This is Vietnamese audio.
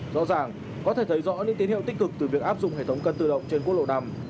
rõ ràng có thể thấy rõ những tín hiệu tích cực từ việc áp dụng hệ thống cân tự động trên quốc lộ năm